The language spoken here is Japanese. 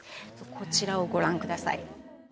こちらをご覧ください。